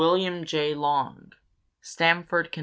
WILLIAM J. LONG. STAMFORD, CONN.